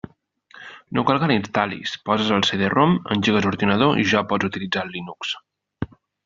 No cal que l'instal·lis, poses el CD-ROM, engegues l'ordinador i ja pots utilitzar el Linux.